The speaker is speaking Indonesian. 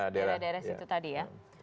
daerah daerah situ tadi ya